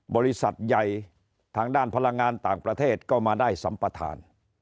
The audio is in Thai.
บริษัทใหญ่ทางด้านพลังงานต่างประเทศก็มาได้สัมปทาน